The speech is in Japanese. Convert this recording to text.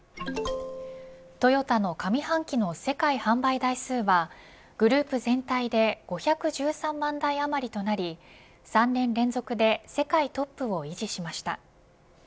トヨタの上半期の世界販売台数はグループ全体で５１３万台余りとなり３年連続で世界トップを維持しました。